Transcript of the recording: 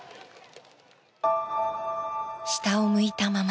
下を向いたまま。